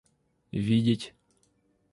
видеть